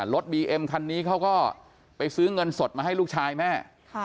บีเอ็มคันนี้เขาก็ไปซื้อเงินสดมาให้ลูกชายแม่